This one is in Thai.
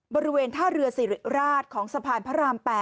บริเวณท่าเรือสิริราชของสะพานพระราม๘